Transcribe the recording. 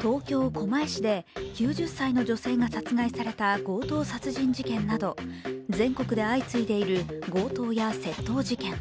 東京・狛江市で９０歳の女性が殺害された強盗殺人事件など全国で相次いでいる強盗や窃盗事件。